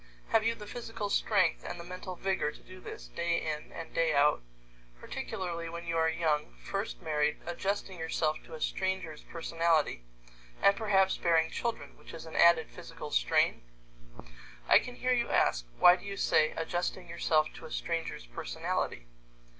Have you the physical strength and the mental vigor to do this day in and day out particularly when you are young, first married, adjusting yourself to a stranger's personality, and perhaps bearing children, which is an added physical strain? I can hear you ask, "Why do you say, 'adjusting yourself to a stranger's personality'?"